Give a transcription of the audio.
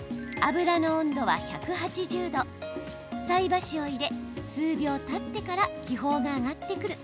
菜箸を入れ数秒たってから気泡が上がってくる